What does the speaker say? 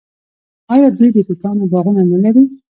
آیا دوی د توتانو باغونه نلري؟